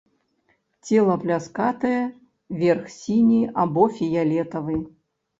Цела пляскатае, верх сіні або фіялетавы.